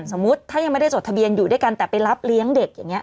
สมมุติถ้ายังไม่ได้จดทะเบียนอยู่ด้วยกันแต่ไปรับเลี้ยงเด็กอย่างนี้